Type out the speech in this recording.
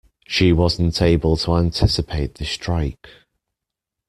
She wasn't able to anticipate the strike.